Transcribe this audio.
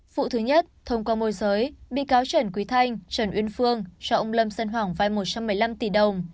vụ thứ nhất thông qua môi giới bị cáo trần quý thanh trần uyên phương cho ông lâm sơn hoàng vai một trăm một mươi năm tỷ đồng